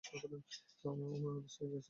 মামা, ও নার্ভাস হয়ে গেছে।